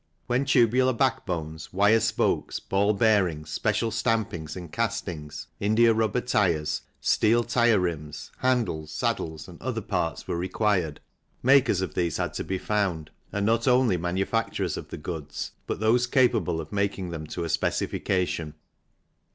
When tubular backbones, wire spokes, ball bearings, special stampings and castings, india rubber tyres, steel tyre rims, handles, saddles and other parts were required, makers of these had to be found, and not only manu facturers of the goods but those capable of making them to a specification.